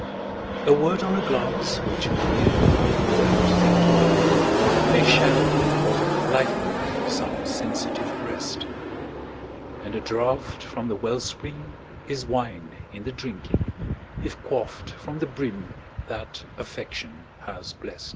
A word or a glance which we give "without thinking", May shadow or lighten some sensitive breast; And the draught from the well spring is wine in the drinking, If quaffed from the brim that Affection has blest.